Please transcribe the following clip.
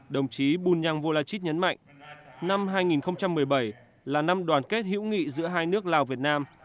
đồng chí bunyang volachit nhấn mạnh năm hai nghìn một mươi bảy là năm đoàn kết hữu nghị giữa hai nước lào việt nam